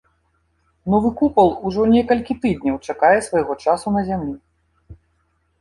Новы купал ужо некалькі тыдняў чакае свайго часу на зямлі.